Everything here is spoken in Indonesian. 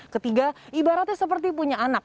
ketiga ibaratnya seperti punya anak